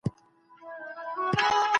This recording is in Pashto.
کیسه یې د ژوند غوندې بهېږي.